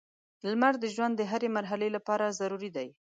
• لمر د ژوند د هرې مرحلې لپاره ضروري دی.